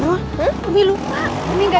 pak ei atau enggak